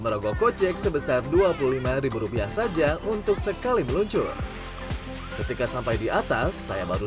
merogoh kocek sebesar dua puluh lima rupiah saja untuk sekali meluncur ketika sampai di atas saya baru